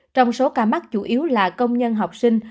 trong số ca mắc chủ yếu là công nhân học sinh